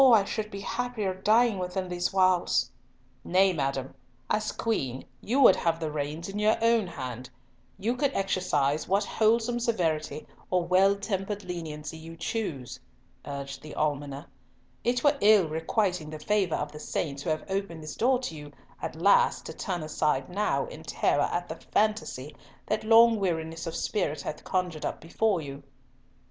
I should be happier dying within these walls!" "Nay, madam, as Queen you would have the reins in your own hand: you could exercise what wholesome severity or well tempered leniency you chose," urged the almoner; "it were ill requiting the favour of the saints who have opened this door to you at last to turn aside now in terror at the phantasy that long weariness of spirit hath conjured up before you."